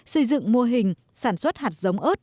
xây dựng mô hình sản xuất hạt giống ớt